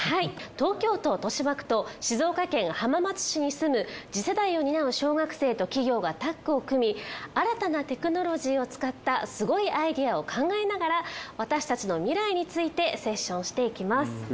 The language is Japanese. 東京都豊島区と静岡県浜松市に住む次世代を担う小学生と企業がタッグを組み新たなテクノロジーを使ったすごいアイデアを考えながら私たちの未来についてセッションしていきます。